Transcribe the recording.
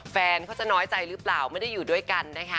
แฟนเขาจะน้อยใจหรือเปล่าไม่ได้อยู่ด้วยกันนะคะ